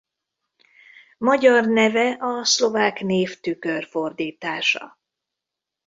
Magyar neve a szlovák név tükörfordítása.